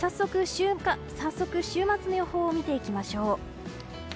早速、週末の予報を見ていきましょう。